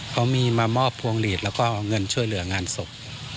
เขามีมามอบพวงหลีดแล้วก็เงินช่วยเหลืองานศพ